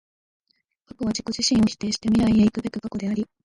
過去は自己自身を否定して未来へ行くべく過去であり、